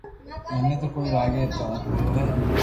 مني تو ڪوئي لاگي تو تو ڪوڙو ھي